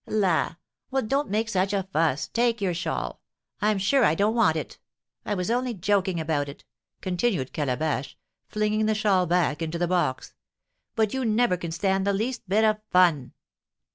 "La! Well, don't make such a fuss, take your shawl! I'm sure I don't want it; I was only joking about it," continued Calabash, flinging the shawl back into the box; "but you never can stand the least bit of fun."